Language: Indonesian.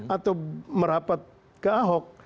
atau merapat ke ahok